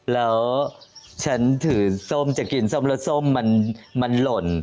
แล้วฉันถือส้มจะกินส้มแล้วส้มมันหล่น